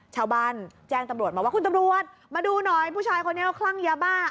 ชาวบ้านแจ้งตำรวจมาว่าคุณตำรวจมาดูหน่อยผู้ชายคนนี้เขาคลั่งยาบ้า